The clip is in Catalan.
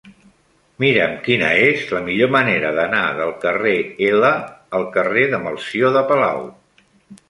Mira'm quina és la millor manera d'anar del carrer L al carrer de Melcior de Palau.